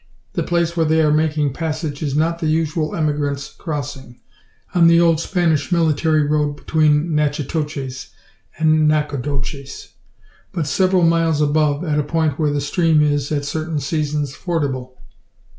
The place where they are making passage is not the usual emigrants' crossing on the old Spanish military road between Natchitoches and Nacogdoches, but several miles above, at a point where the stream is, at certain seasons, fordable.